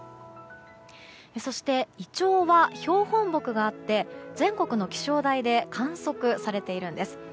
そして、イチョウは標本木があって全国の気象台で観測されているんです。